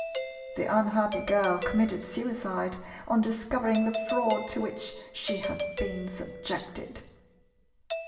The unhappy girl committed suicide on discovering the fraud to which she had been subjected.